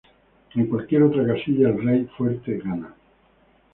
En cualquier otra casilla el rey fuerte gana.